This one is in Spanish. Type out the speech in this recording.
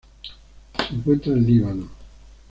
Se encuentra en Líbano.